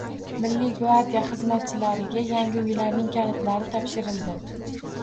Milliy gvardiya xizmatchilariga yangi uylarning kalitlari topshirildi